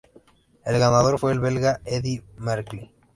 El ganador fue el belga Eddy Merckx.